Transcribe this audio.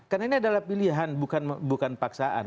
karena ini adalah pilihan bukan paksaan